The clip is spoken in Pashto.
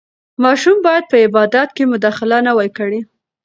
ماشوم باید په عبادت کې مداخله نه وای کړې.